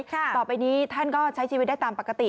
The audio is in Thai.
ต่อไปนี้ท่านก็ใช้ชีวิตได้ตามปกติ